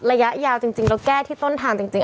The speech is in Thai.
ระยะยาวจริงแล้วแก้ที่ต้นทางจริง